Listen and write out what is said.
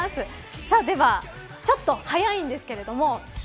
ちょっと速いんですけれども。